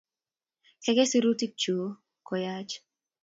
Kaikai, sirutik chug ko yach